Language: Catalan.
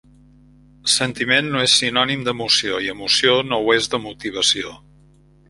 Sentiment no és sinònim d'emoció i emoció no ho és de motivació.